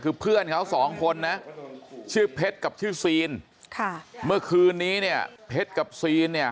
คือเพื่อนเขาสองคนนะชื่อเพชรกับชื่อซีนค่ะเมื่อคืนนี้เนี่ยเพชรกับซีนเนี่ย